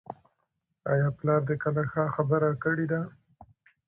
آیا پلار دې کله ښه خبره کړې ده؟